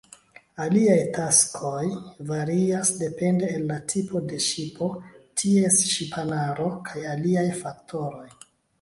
Aliaj taskoj varias depende el la tipo de ŝipo, ties ŝipanaro, kaj aliaj faktoroj.